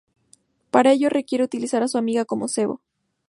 Para ello quiere utilizar a su amiga como cebo.